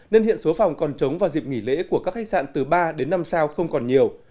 nên hiện số phòng còn chống vào dịp nghỉ lễ của các khách sạn từ ba đến năm sao không còn nhiều